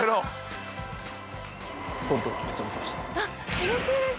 うれしいです。